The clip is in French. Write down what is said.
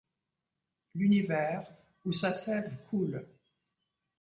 L'univers, où sa, sève coule